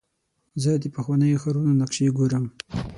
زه د پخوانیو ښارونو نقشې ګورم.